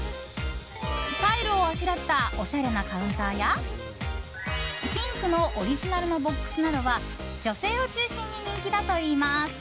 タイルをあしらったおしゃれなカウンターやピンクのオリジナルのボックスなどは女性を中心に人気だといいます。